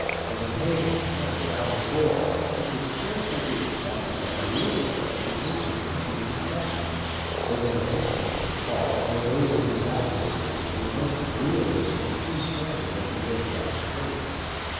As a Pagan and as a soldier, it could scarcely be expected that Aurelian should enter into the discussion, whether the sentiments of Paul or those of his adversaries were most agreeable to the true standard of the orthodox faith.